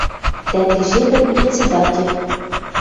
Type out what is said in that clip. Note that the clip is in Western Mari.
Дӓ ти жепӹн председатель